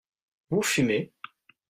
Vous fumez ?